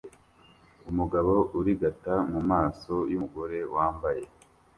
Umugabo urigata mumaso yumugore wambaye